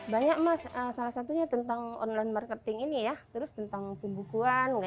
banyak mas salah satunya tentang online marketing ini ya terus tentang pembukuan